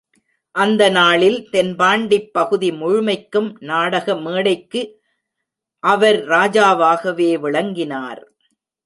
அந்த நாளில் தென்பாண்டிப் பகுதி முழுமைக்கும் நாடக மேடைக்கு அவர் ராஜாவாகவே விளங்கினார்.